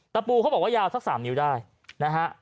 ตะปูเขาบอกว่ายาวสัก๓นิ้วได้นะฮะ